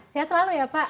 sehat selalu ya pak